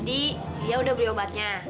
tadi lia udah beli obatnya